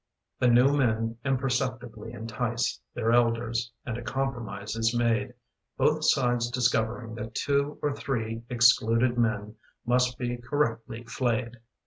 The new men imperceptibly entice Their elders, and a compromise is made, Both sides discovering that two or three Excluded men must be correctly flayed.